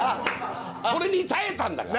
それに耐えたんだから。